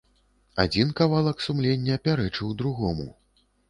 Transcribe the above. Адзін кавалак сумлення пярэчыў другому.